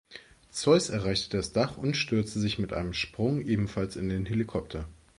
Zeus erreicht das Dach und stürzt sich mit einem Sprung ebenfalls in den Helikopter.